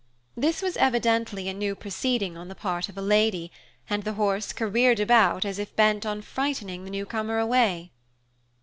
This was evidently a new proceeding on the part of a lady, and the horse careered about as if bent on frightening the newcomer away.